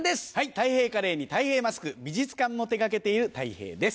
たい平カレーにたい平マスク美術館も手掛けているたい平です。